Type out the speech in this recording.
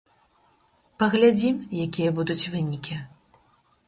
Паглядзім, якія будуць вынікі.